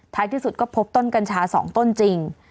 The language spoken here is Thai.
ท้ายที่สุดก็พบต้นกัญชาสองต้นจริง